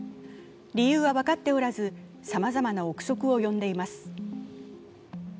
理由は分かっておらず、さまざまな臆測を呼んでいます。